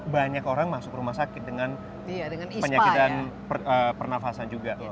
banyak orang masuk rumah sakit dengan penyakitan pernafasan juga